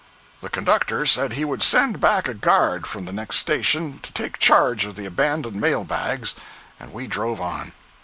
The conductor said he would send back a guard from the next station to take charge of the abandoned mail bags, and we drove on.